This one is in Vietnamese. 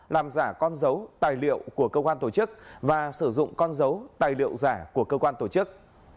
làm giả con dấu tài liệu của cơ quan tổ chức và sử dụng con dấu tài liệu giả của cơ quan tổ chức